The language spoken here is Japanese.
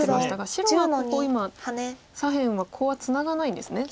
白はここ今左辺はコウはツナがないんですね